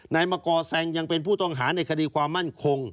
มะกอแซงยังเป็นผู้ต้องหาในคดีความมั่นคง